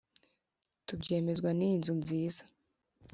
Tubyemezwa n iyi nzu nziza